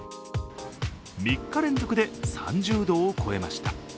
３日連続で３０度を超えました。